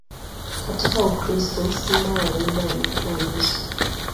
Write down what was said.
Katika ukristo, Simba wa Yuda alikuwa Yesu.